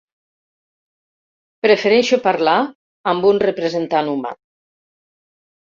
Prefereixo parlar amb un representant humà.